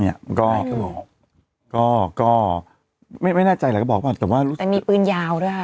เนี่ยก็ก็ก็ไม่แน่ใจแหละก็บอกว่าแต่ว่าแต่มีปืนยาวด้วยครับ